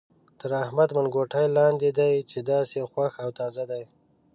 تر احمد منګوټی لاندې دی چې داسې خوښ او تازه دی.